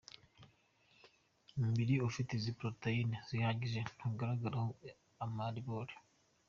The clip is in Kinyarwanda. Umubiri ufite izi poroteyine zihagije ntugaragaraho amaribori.